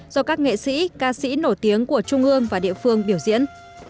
do các nghệ sĩ ca sĩ nổi tiếng của trung ương và địa phương biểu diễn